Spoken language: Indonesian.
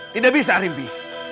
tidak bisa harimbi